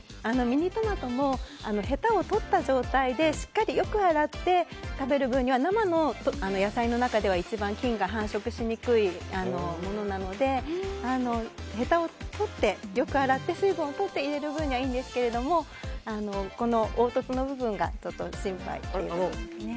ミニトマトもへたを取った状態でしっかりよく洗って食べる分には生の野菜の中では一番菌が繁殖しにくいのでへたを取ってよく洗って水分を取って入れる分にはいいんですが凹凸の部分がちょっと心配です。